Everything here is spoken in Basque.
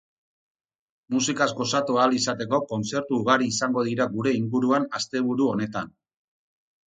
Musikaz gozatu ahal izateko kontzertu ugari izango dira gure inguruan asteburu honetan.